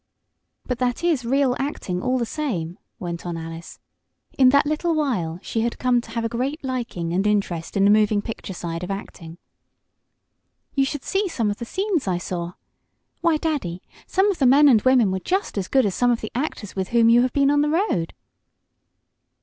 "But that is real acting, all the same," went on Alice. In that little while she had come to have a great liking and interest in the moving picture side of acting. "You should see some of the scenes I saw. Why, Daddy, some of the men and women were just as good as some of the actors with whom you have been on the road."